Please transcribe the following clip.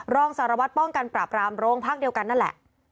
รองสารวัตรป้องกันปราบรามโรงพักเดียวกันนั่นแหละ